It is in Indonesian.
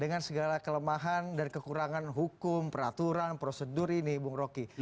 dengan segala kelemahan dan kekurangan hukum peraturan prosedur ini bung rocky